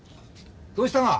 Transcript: どうしたが？